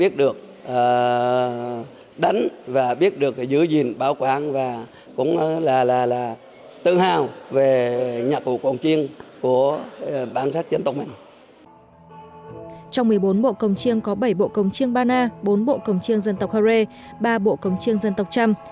trong một mươi bốn bộ công chiêng có bảy bộ công chiêng bana bốn bộ công chiêng dân tộc hồ rê ba bộ công chiêng dân tộc trăm